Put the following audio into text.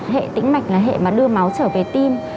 hệ tĩnh mạch là hệ mà đưa máu trở về tim